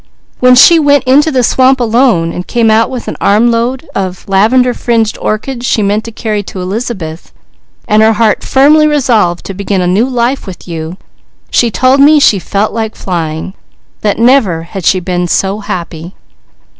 When she went into the swamp alone and came out with an armload of lavender fringed orchids she meant to carry to Elizabeth, and her heart firmly resolved to begin a new life with you, she told me she felt like flying; that never had she been so happy."